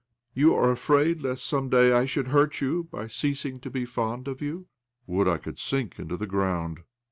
— you are afraid lest some day I should hurt you by ceasing to be fond of you? "" Would I could sink into the ground